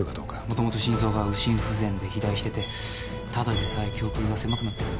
もともと心臓が右心不全で肥大しててただでさえ胸腔が狭くなってる。